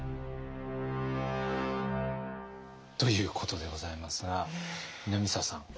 ということでございますが南沢さん。